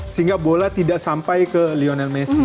sehingga bola tidak sampai ke lionel messi